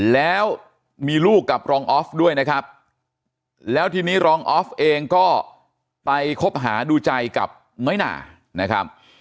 แล้วมีลูกกับรองออฟด้วยนะครับแล้วทีนี้รองออฟเองก็ไปคบหาดูใจกับน้อยหนานะครับ